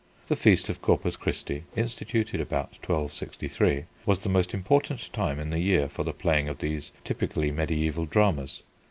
The feast of Corpus Christi (instituted about 1263) was the most important time in the year for the playing of these typically mediæval dramas.